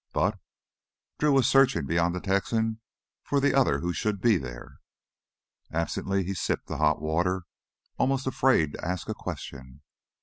But Drew was searching beyond the Texan for the other who should be there. Absently he sipped the hot water, almost afraid to ask a question.